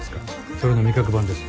それの味覚版です。